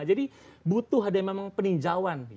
jadi butuh ada yang memang peninjauan